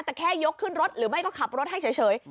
แต่แค่ยกขึ้นรถหรือไม่ก็ขับรถให้เฉย